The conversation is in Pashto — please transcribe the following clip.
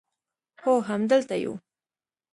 هو همدلته یو